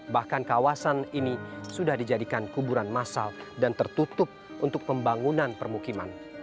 bahkan kawasan ini sudah dijadikan kuburan masal dan tertutup untuk pembangunan permukiman